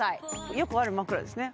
よくある枕ですね